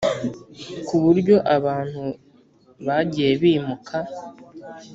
Ku buryo abantu bagiye bimuka